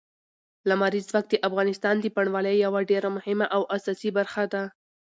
لمریز ځواک د افغانستان د بڼوالۍ یوه ډېره مهمه او اساسي برخه ده.